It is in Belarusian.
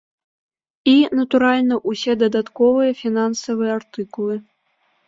І, натуральна, усе дадатковыя фінансавыя артыкулы.